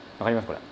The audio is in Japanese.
これ。